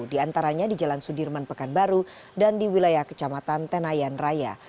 di antaranya di jalan sudirman pekanbaru dan di wilayah kecamatan tenayan raya